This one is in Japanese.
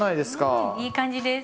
うんいい感じです。